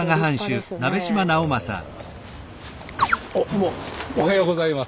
どうもおはようございます。